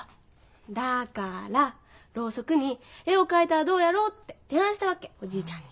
だからろうそくに絵を描いたらどうやろって提案したわけおじいちゃんに。